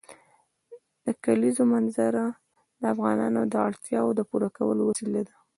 د کلیزو منظره د افغانانو د اړتیاوو د پوره کولو وسیله ده.